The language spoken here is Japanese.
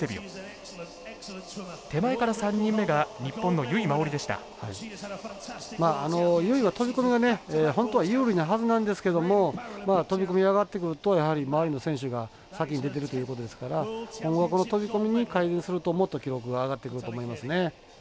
あの由井は飛び込みが本当は有利なはずなんですけども飛び込み上がってくるとやはり周りの選手が先に出てるということですから今後はこの飛び込み改善するともっと記録が上がってくると思いますね。